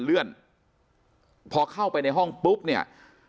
เลื่อนพอเข้าไปในห้องปุ๊บเนี่ย